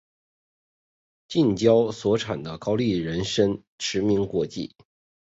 近郊所产的高丽人参驰名国际。